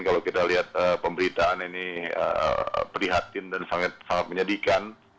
kalau kita lihat pemberitaan ini prihatin dan sangat menyedihkan